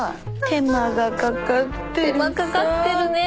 手間かかってるね